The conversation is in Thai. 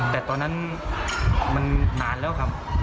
แต่ตอนนั้นมันนานแล้วครับ